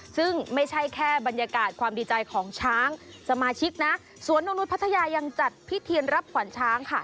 ซึ่งไม่ใช่แค่บรรยากาศความดีใจของช้างสมาชิกนะสวนนกนุษยพัทยายังจัดพิธีรับขวัญช้างค่ะ